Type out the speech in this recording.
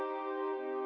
sang putri menangis